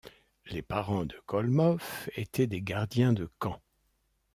Les parents de Kholmov étaient des gardiens de camps.